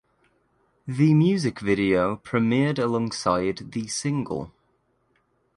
The music video premiered alongside the single.